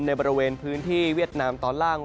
บริเวณพื้นที่เวียดนามตอนล่าง